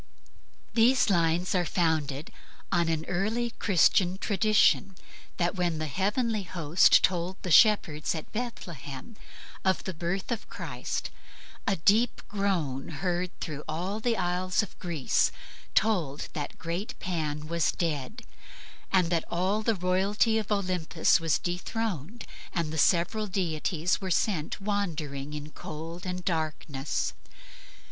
These lines are founded on an early Christian tradition that when the heavenly host told the shepherds at Bethlehem of the birth of Christ, a deep groan, heard through all the isles of Greece, told that the great Pan was dead, and that all the royalty of Olympus was dethroned and the several deities were sent wandering in cold and darkness.